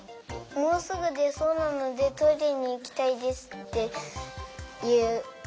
もうすぐでそうなのでトイレにいきたいですっていう。